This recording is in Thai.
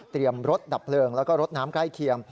รถดับเพลิงแล้วก็รถน้ำใกล้เคียง